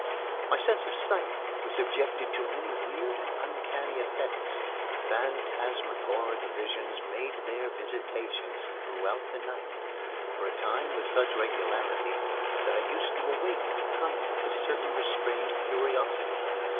My sense of sight was subjected to many weird and uncanny effects. Phantasmagoric visions made their visitations throughout the night, for a time with such regularity that I used to await their coming with a certain restrained curiosity.